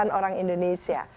dan orang indonesia